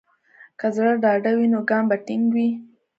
که زړه ډاډه وي، نو ګام به ټینګ وي.